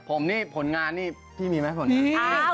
ผมนี่ผลงานนี่พี่มีไหมผลงาน